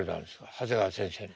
長谷川先生に。